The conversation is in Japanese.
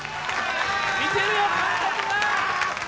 見てるよ監督が。